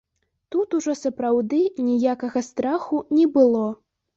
Тут ужо сапраўды ніякага страху не было.